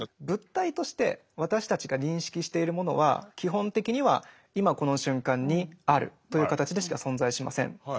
物体として私たちが認識しているものは基本的には「いまこの瞬間にある」という形でしか存在しません。